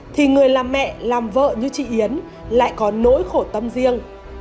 thì người làm mẹ làm vợ như chị yến lại có nỗi khổ tâm riêng